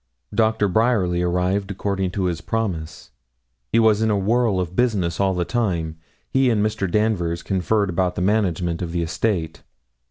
Doctor Bryerly arrived according to promise. He was in a whirl of business all the time. He and Mr. Danvers conferred about the management of the estate.